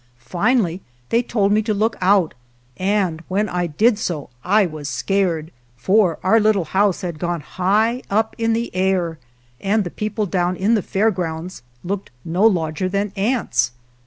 Finally they told me to look out, and when I did so I was scared, for our little house had gone high up in the air, and the people down in the Fair Grounds looked no larger than ants.